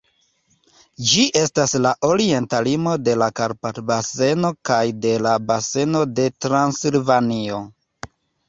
Ĝi estas la orienta limo de la Karpat-baseno kaj de la Baseno de Transilvanio.